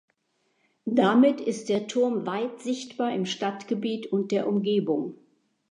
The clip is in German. Damit ist der Turm weit sichtbar im Stadtgebiet und der Umgebung.